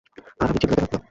আর আমি চিল্লাতে লাগলাম।